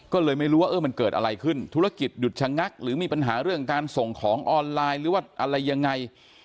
ก็เลยไม่รู้ว่าเออมันเกิดอะไรขึ้นธุรกิจหยุดชะงักหรือมีปัญหาเรื่องการส่งของออนไลน์หรือว่าอะไรยังไง